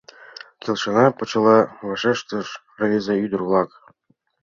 — Келшена! — почела вашештышт рвезе-ӱдыр-влак.